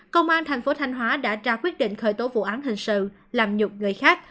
công an tp thanh hóa đã ra quyết định khởi tố vụ án hình sự làm nhục người khác